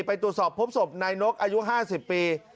ไปตรวจสอบพบศพนายนกอายุ๕๐ปี